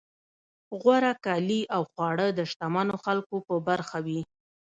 غوره کالي او خواړه د شتمنو خلکو په برخه وي.